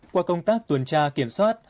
qua công tác tuần tra kiểm soát